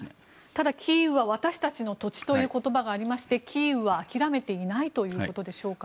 ただ、キーウは私たちの土地という言葉がありましてキーウは諦めていないということでしょうか。